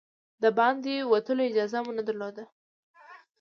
د باندې وتلو اجازه مو نه درلوده.